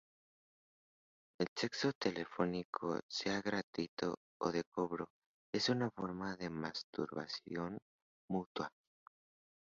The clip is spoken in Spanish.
El sexo telefónico, sea gratuito o de cobro, es otra forma de masturbación mutua.